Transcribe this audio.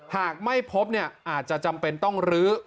หากไม่พบเนี่ยอาจจะจำเป็นต้องลื้อ